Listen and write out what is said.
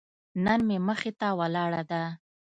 نن مې مخې ته ولاړه ده.